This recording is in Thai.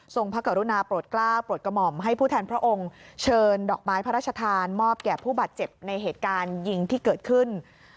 พระกรุณาโปรดกล้าวโปรดกระหม่อมให้ผู้แทนพระองค์เชิญดอกไม้พระราชทานมอบแก่ผู้บาดเจ็บในเหตุการณ์ยิงที่เกิดขึ้น